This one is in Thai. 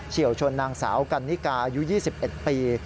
วชนนางสาวกันนิกายุ๒๑ปี